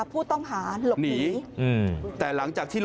ก็ตอบได้คำเดียวนะครับ